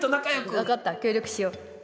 分かった協力しよう。